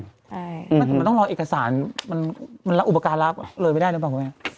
ใช่มันต้องรอเอกสารมันอุปการะเลยไปได้หรือเปล่าครับผม